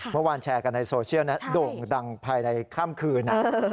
เมื่อวานแชร์กันในโซเชียลโด่งดังภายในค่ำคืน